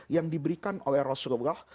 yang diberikan oleh rasulullah